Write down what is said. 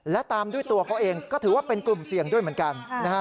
และตามด้วยตัวเขาเองก็ถือว่าเป็นกลุ่มเสี่ยงด้วยเหมือนกันนะฮะ